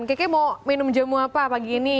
keke mau minum jamu apa pagi ini